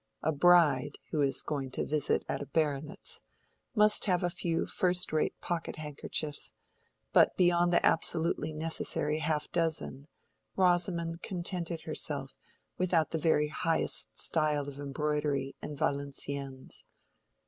A bride (who is going to visit at a baronet's) must have a few first rate pocket handkerchiefs; but beyond the absolutely necessary half dozen, Rosamond contented herself without the very highest style of embroidery and Valenciennes.